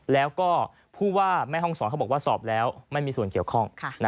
แล้วก็ผู้ว่าแม่ห้องศรเขาบอกว่าสอบแล้วไม่มีส่วนเกี่ยวข้อง